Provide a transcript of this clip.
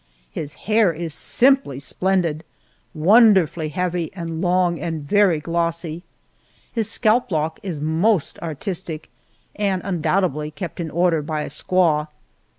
His hair is simply splendid, wonderfully heavy and long and very glossy. His scalp lock is most artistic, and undoubtedly kept in order by a squaw.